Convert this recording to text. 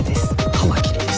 カマキリです。